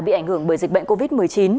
bị ảnh hưởng bởi dịch bệnh covid một mươi chín